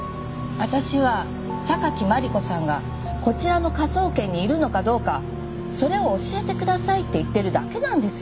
私は榊マリコさんがこちらの科捜研にいるのかどうかそれを教えてくださいって言ってるだけなんですよ。